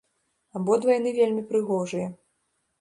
Абодва яны вельмі прыгожыя.